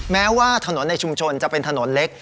แม้ว่าถนนในชุมชนจะเป็นถนนเล็ก